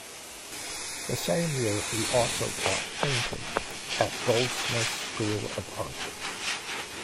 The same year he also taught painting at Goldsmiths' School of Art.